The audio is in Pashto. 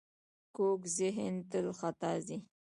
کوږ ذهن تل خطا ځي